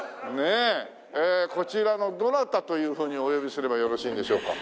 ええこちらのどなたというふうにお呼びすればよろしいんでしょうか？